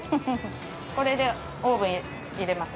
これでオーブン入れます。